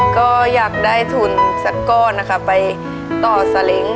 ก็อยากได้ทุนสักก้อนนะคะไปต่อสลิง